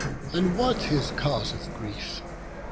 and what his cause of grief?